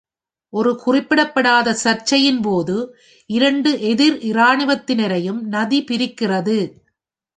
ஒரு குறிப்பிடப்படாத சர்ச்சையின் போது, இரண்டு எதிர் இராணுவத்தினரையும் நதி பிரிக்கிறது.